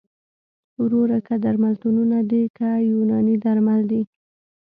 وروره که درملتونونه دي که یوناني درمل دي